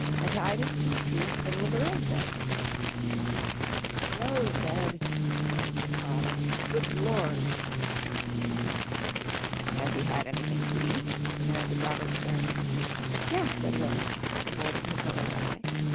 "I tied him to the tree in the middle of the rose bed." "The rose bed!" groaned his father. "Good Lord!" "Has he had anything to eat?" demanded Robert sternly. "Yes," said William, avoiding his mother's eye.